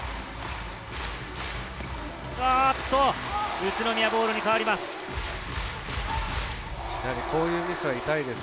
宇都宮ボールに変わります。